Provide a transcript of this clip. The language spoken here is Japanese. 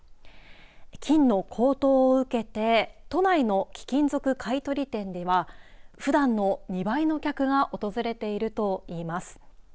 金の高騰を受けて都内の貴金属買取店では普段の２倍の客が訪れているといいます。